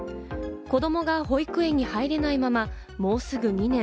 子供が保育園に入れないままもうすぐ２年。